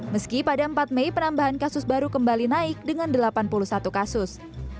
meski pada empat mei penambahan kasus baru kembali naik dengan delapan puluh satu kasus